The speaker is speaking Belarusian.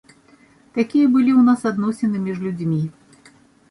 Такія былі ў нас адносіны між людзьмі.